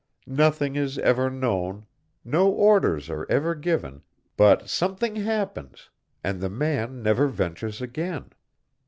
Nothing is ever known, no orders are ever given, but something happens, and the man never ventures again.